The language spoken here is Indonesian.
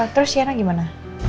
terus siena gimana